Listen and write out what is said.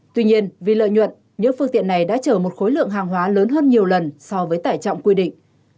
tuy nhiên vì lợi nhuận những phương tiện này đã chở một khối lượng hàng hóa lớn hơn nhiều lần so với tải trọng quy định